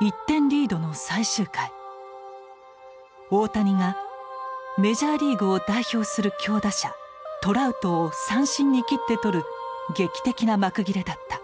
１点リードの最終回大谷がメジャーリーグを代表する強打者トラウトを三振に切って取る劇的な幕切れだった。